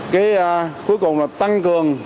cuối cùng là tăng cường